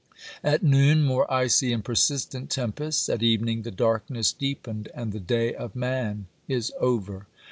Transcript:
At noon, more icy and persistent tempests ; at evening the darkness deepened — and the day of man is over.